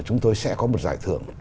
chúng tôi sẽ có một giải thưởng